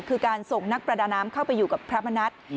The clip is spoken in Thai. คือการส่งนักประดาน้ำเข้าไปอยู่กับพระมณัฐ